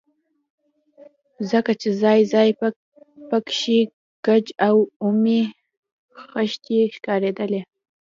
ځکه چې ځاى ځاى پکښې ګچ او اومې خښتې ښکارېدلې.